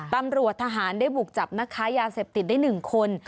ตำรวจทหารได้บุกจับนักค้ายาเสพติดได้๑คน